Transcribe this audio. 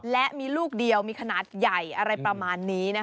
และมีลูกเดียวมีขนาดใหญ่อะไรประมาณนี้